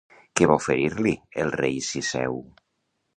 Què va oferir-li, el rei Cisseu?